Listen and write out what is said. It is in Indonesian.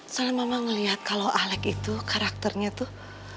soalnya mama ngeliat kalau alex itu karakternya tuh